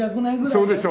そうでしょ？